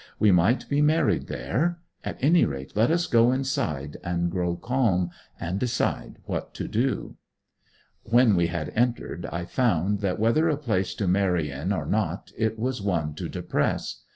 'We might be married there. At any rate, let us go inside, and grow calm, and decide what to do.' When we had entered I found that whether a place to marry in or not, it was one to depress.